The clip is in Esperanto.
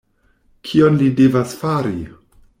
Kion li devas fari?